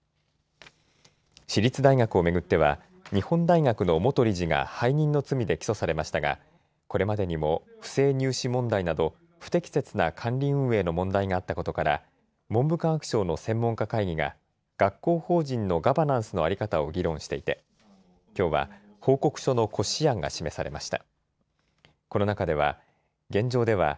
私立大学を巡っては、日本大学の元理事が背任の罪で起訴されましたが、これまでにも不正入試問題など、不適切な管理運営の問題があったことから、文部科学省の専門家会議が、学校法人のガバナンスの在り方を議論していて、きょうは報告書の骨子案が示されました。